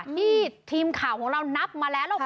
นี่ทีมข่าวของเรานับมาแล้วค่ะ